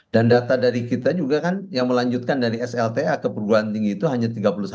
dan data dari kita juga kan yang melanjutkan dari slta ke perguruan tinggi itu hanya tiga puluh satu